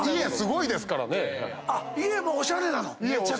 あっ家もおしゃれなの？